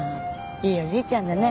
いいおじいちゃんだね。